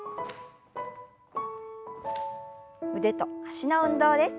腕と脚の運動です。